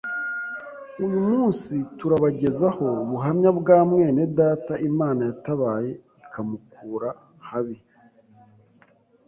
Uyu munsi turabagezaho ubuhamya bwa mwene data Imana yatabaye ikamukura habi,